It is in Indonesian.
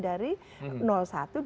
atau kelemahan kekuatan dari satu